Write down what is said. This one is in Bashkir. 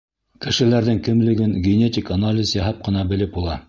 Кешеләрҙең кемлеген генетик анализ яһап ҡына белеп була.